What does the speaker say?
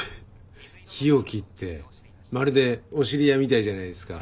日置ってまるでお知り合いみたいじゃないですか。